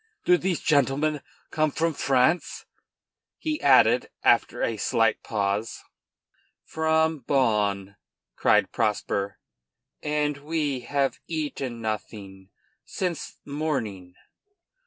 Do these gentlemen come from France?" he added after a slight pause. "From Bonn," cried Prosper, "and we have eaten nothing since morning."